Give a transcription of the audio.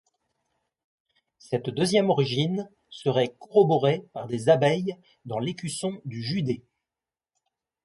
Cette deuxième origine serait corroborée par des abeilles dans l'écusson du județ.